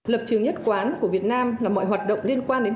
lập trường nhất quán của việt nam là mọi hoạt động liên quan đến